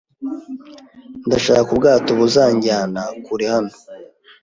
Ndashaka ubwato buzanjyana kure hano